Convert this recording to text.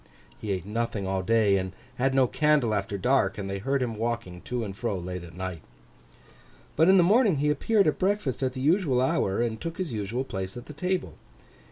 He ate nothing all day, and had no candle after dark; and they heard him walking to and fro late at night. But, in the morning he appeared at breakfast at the usual hour, and took his usual place at the table.